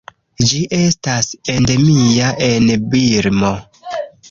Ĝi estas endemia en Birmo.